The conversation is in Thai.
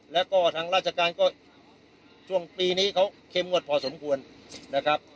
แล้วก็ทางราชการก็ช่วงปีนี้เขาเข้มงวดพอสมควรนะครับ